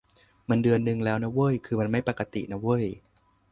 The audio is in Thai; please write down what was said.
มันเดือนนึงแล้วนะเว้ย คือมันไม่ปกตินะเว้ย